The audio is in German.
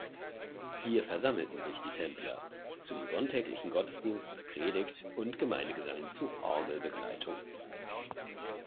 Hier versammelten sich die Templer zum sonntäglichen Gottesdienst mit Predigt und Gemeindegesang zu Orgelbegleitung.